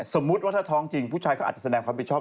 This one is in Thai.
สมมุติว่าถ้าท้องจริงผู้ชายเขาอาจจะแสดงความผิดชอบ